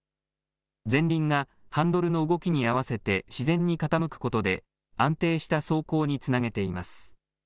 前輪がハンドルの動きに合わせて自然に傾くことで安定した走行につなげています。